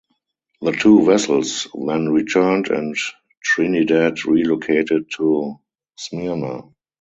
The two vessels then returned and "Trinidad" relocated to Smyrna.